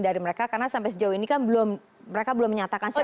karena sampai sejauh ini kan mereka belum menyatakan resmi